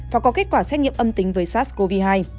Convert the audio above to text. và có kết quả xét nghiệm âm tính với sars cov hai